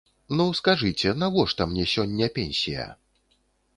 Ну, скажыце, навошта мне сёння пенсія?